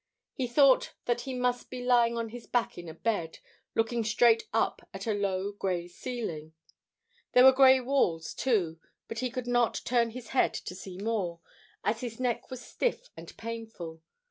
He thought that he must be lying on his back in a bed, looking straight up at a low grey ceiling. There were grey walls, too, but he could not turn his head to see more, as his neck was stiff and painful.